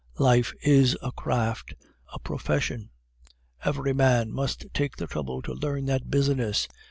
Life is a craft, a profession; every man must take the trouble to learn that business.